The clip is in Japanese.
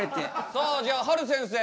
さあじゃあはる先生。